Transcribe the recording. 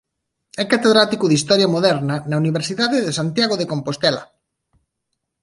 É catedrático de Historia Moderna da Universidade de Santiago de Compostela.